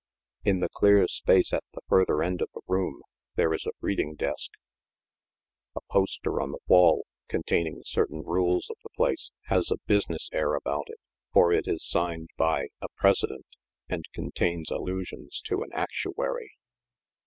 In the clear space at the further end of the room there is a reading desk. A poster on the wall, containing certain rule? of the plaoe, has a business air about it, for it is signed by a " President," and contains allusions to an " Actuary."